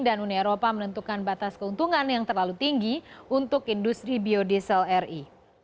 dan uni eropa menentukan batas keuntungan yang terlalu tinggi untuk industri biodiesel ri